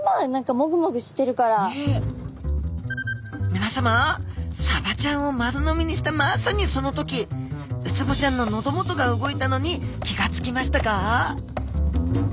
みなさまサバちゃんを丸飲みにしたまさにその時ウツボちゃんの喉元が動いたのに気が付きましたか？